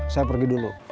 saya pergi dulu